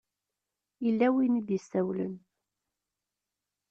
Yella win i d-yessawlen.